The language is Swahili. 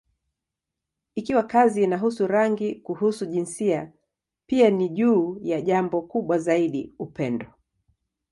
Ikiwa kazi inahusu rangi, kuhusu jinsia, pia ni juu ya jambo kubwa zaidi: upendo.